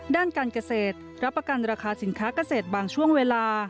ด้านการเกษตรรับประกันราคาสินค้าเกษตรบางช่วงเวลา